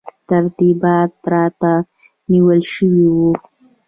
ترتیبات راته نیول شوي وو.